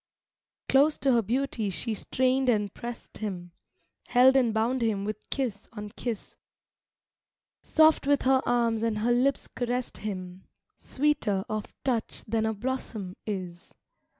V Close to her beauty she strained and pressed him, Held and bound him with kiss on kiss; Soft with her arms and her lips caressed him, Sweeter of touch than a blossom is.